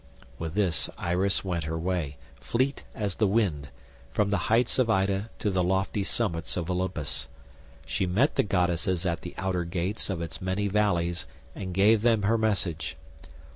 With this Iris went her way, fleet as the wind, from the heights of Ida to the lofty summits of Olympus. She met the goddesses at the outer gates of its many valleys and gave them her message.